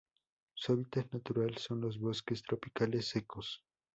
Su hábitat natural son los bosques tropicales secos.